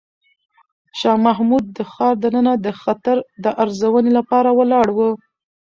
شاه محمود د ښار دننه د خطر د ارزونې لپاره ولاړ و.